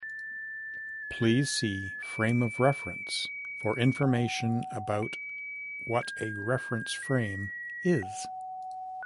Please see Frame of reference for information about what a Reference Frame is.